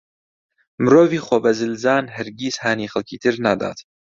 مرۆڤی خۆبەزلزان هەرگیز هانی خەڵکی تر نادات.